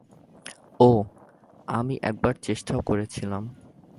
ওহ, আমি একবার চেষ্টাও করেছিলাম।